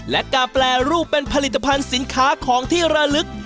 และการแปรรูปเป็นผลิตภัณฑ์สินค้าของที่ระลึก